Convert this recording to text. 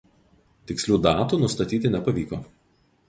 Tikslių datų nustatyti nepavyko.